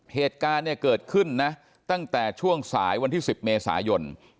เหตุการณ์เนี่ยเกิดขึ้นนะตั้งแต่ช่วงสายวันที่๑๐เมษายน